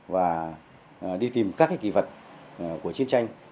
và đi tìm các cái kỷ vật của chiến tranh